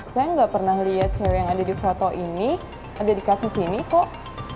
saya nggak pernah lihat cewek yang ada di foto ini ada di kaki sini kok